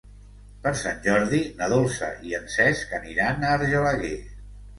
Per Sant Jordi na Dolça i en Cesc aniran a Argelaguer.